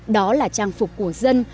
đó là trang phục của dân